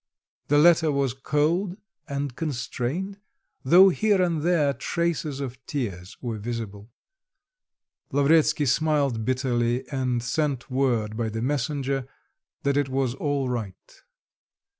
The letter was cold and constrained, though here and there traces of tears were visible. Lavretsky smiled bitterly, and sent word by the messenger that it was all right.